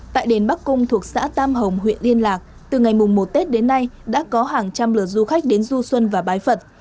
tại đền bắc cung thuộc xã tam hồng huyện liên lạc từ ngày một tết đến nay đã có hàng trăm lượt du khách đến du xuân và bái phật